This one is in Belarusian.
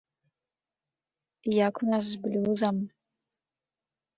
Як у нас з блюзам?